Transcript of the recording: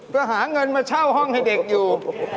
ก็หาเงินมาเช่าห้องให้เด็กอยู่